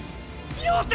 よせ！